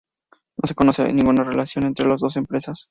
No se conoce ninguna relación entre las dos empresas.